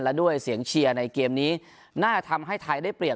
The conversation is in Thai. และด้วยเสียงเชียร์ในเกมนี้น่าทำให้ไทยได้เปรียบ